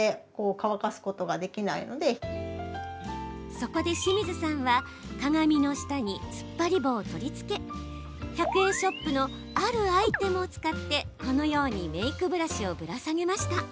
そこで清水さんは鏡の下につっぱり棒を取り付け１００円ショップのあるアイテムを使ってこのようにメークブラシをぶら下げました。